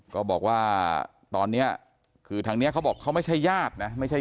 ก็บอกว่าตอนนี้คือทางนี้เขาบอกเขาไม่ใช่ญาตินะไม่ใช่